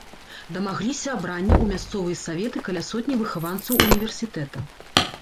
Дамагліся абрання ў мясцовыя саветы каля сотні выхаванцаў універсітэта.